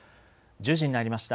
１０時になりました。